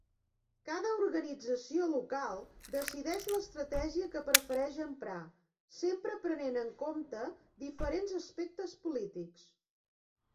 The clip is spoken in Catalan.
Cada organització local decideix l'estratègia que prefereix emprar, sempre prenent en compte diferents aspectes polítics.